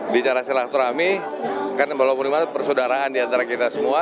bicara silaturahmi kan kalau mulai mati persaudaraan di antara kita semua